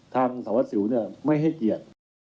ทางสวัสดิ์สิวเนี่ยไม่ให้เกียรติ